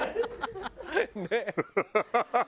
ハハハハ！